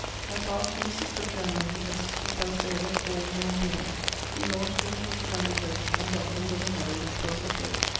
At last, on the 6th of January, assisted by a sailor called Jean Brien, he launched a little stranded boat, and got hold of another which was afloat.